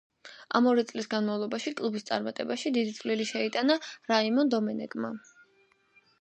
ამ ორი წლის განმავლობაში კლუბის წარმატებაში დიდი წვლილი შეიტანა რაიმონ დომენეკმა.